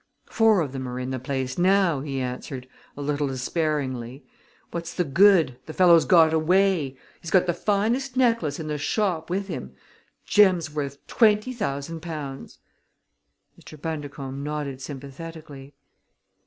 "Four of them are in the place now," he answered, a little despairingly. "What's the good? The fellow's got away! He's got the finest necklace in the shop with him, gems worth twenty thousand pounds." Mr. Bundercombe nodded sympathetically.